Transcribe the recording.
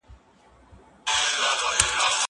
زه اجازه لرم چي سبزېجات جمع کړم!!